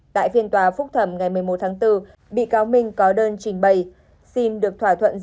tại phiên tòa phúc thẩm ngày một mươi một tháng bốn bị cáo minh có đơn trình bày xin được thỏa thuận